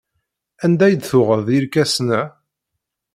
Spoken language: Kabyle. Anda i d-tuɣeḍ irkasen-a?